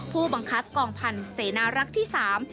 ผู้บังคับกองพันธุ์เสนารักษ์ที่สาม